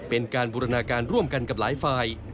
เป็นการบูรณาการร่วมกันกับหลายฝ่าย